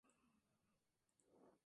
Perenne con hojas basales.